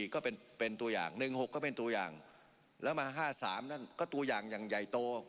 ก็เป็นตัวอย่าง๑๖ก็เป็นตัวอย่างแล้วมา๕๓นั่นก็ตัวอย่างอย่างใหญ่โต